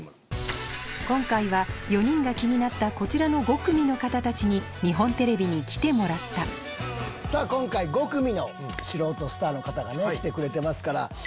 今回は４人が気になったこちらの５組の方たちに日本テレビに来てもらった今回５組の素人スターの方が来てくれてますから。